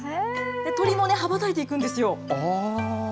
鳥も羽ばたいていくんですよ。